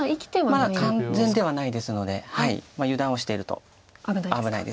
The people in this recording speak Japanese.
まだ完全ではないですので油断をしてると危ないです。